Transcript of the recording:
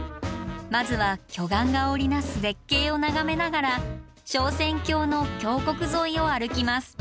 まずは巨岩が織り成す絶景を眺めながら昇仙峡の峡谷沿いを歩きます。